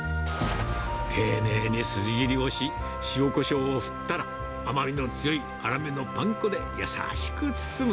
丁寧に筋切りをし、塩こしょうを振ったら、甘みの強い粗めのパン粉で優しく包む。